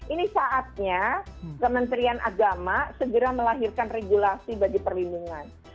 ini saatnya kementerian agama segera melahirkan regulasi bagi perlindungan